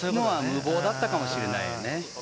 無謀だったかもしれないよね。